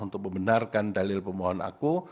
untuk membenarkan dalil pemohon aku